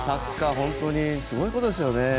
本当にすごいことですよね。